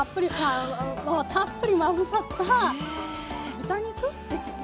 たっぷりまぶさった豚肉？ですね。